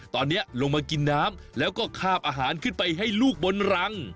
ตอนนี้ลงมากินน้ำแล้วก็คาบอาหารขึ้นไปให้ลูกบนรัง